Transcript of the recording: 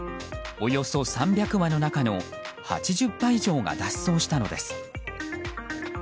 およそ３００羽の中の８０羽以上が脱走したのです。